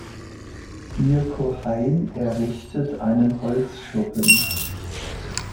Mirko Hein errichtet einen Holzschuppen.